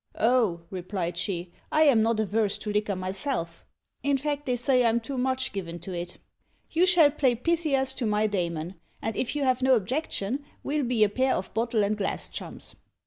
"Oh," replied Ch'ê, "I am not averse to liquor myself; in fact they say I'm too much given to it. You shall play Pythias to my Damon; and if you have no objection, we'll be a pair of bottle and glass chums."